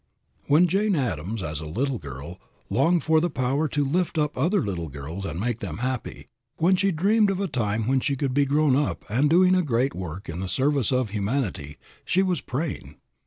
When Jane Addams, as a little girl, longed for the power to lift up other little girls and make them happy; when she dreamed of a time when she should be grown up and doing a great work in the service of humanity, she was praying.